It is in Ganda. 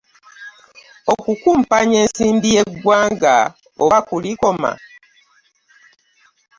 Okukumpanya ensimbi y'eggwanga oba kulikoma?